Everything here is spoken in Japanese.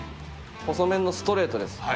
細麺のストレートです。